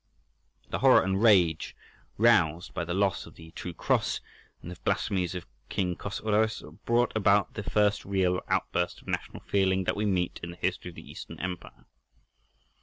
The horror and rage roused by the loss of the "True Cross" and the blasphemies of King Chosroës brought about the first real outburst of national feeling that we meet in the history of the Eastern Empire.